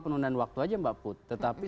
penundaan waktu aja mbak put tetapi